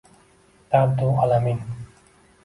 Dardu alamin.